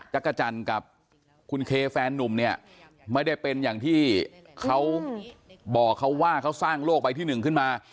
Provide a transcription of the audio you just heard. จักรจันทร์กับคุณเคแฟนนุ่มเนี่ยไม่ได้เป็นอย่างที่เขาบอกเขาว่าเขาสร้างโลกใบที่๑ขึ้นมา